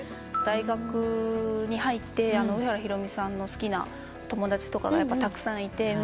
大学に入って上原ひろみさんの好きな友達とかたくさんいて。